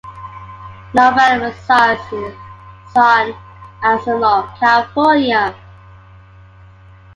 Novello resides in San Anselmo, California.